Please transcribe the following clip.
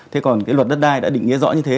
thế còn cái luật đất đai đã định nghĩa rõ như thế